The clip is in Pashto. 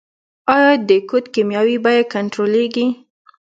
آیا د کود کیمیاوي بیه کنټرولیږي؟